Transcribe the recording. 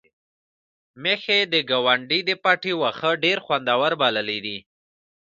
میښې د ګاونډي د پټي واښه ډېر خوندور بللي دي.